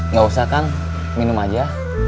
nggak usah kang minum aja